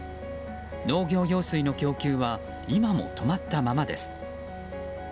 農業用水の供給は今も止まったままです。